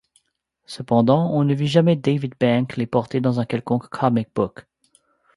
Cependant, on ne vit jamais David Bank les porter dans un quelconque comic book.